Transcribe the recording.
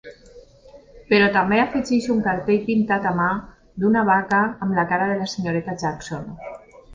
Però també afegeix un cartell pintat a mà d'una vaca amb la cara de la Srta. Jackson.